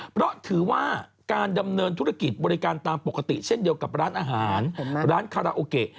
เพราะถือว่าการดำเนินธุรกิจบริการตามปกติเช่นเดียวกับร้านอาหารร้านคาราโอเกะ